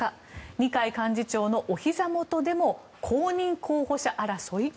二階幹事長のおひざ元でも公認候補者争い？